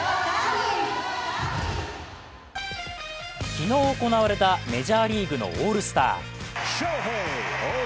昨日行われたメジャーリーグのオールスター。